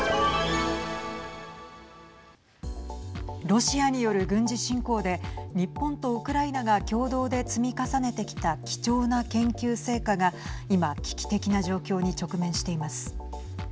ロシアによる軍事侵攻で日本とウクライナが共同で積み重ねてきた貴重な研究成果が今、危機的な状況に直面しています。